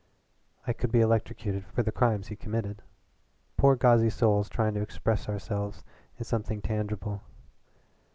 I could be electrocuted for the crimes he committed. "Poor gauzy souls trying to express ourselves in something tangible.